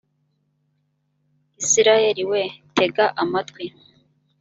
isirayeli we tega amatwi